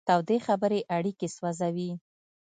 تودې خبرې اړیکې سوځوي.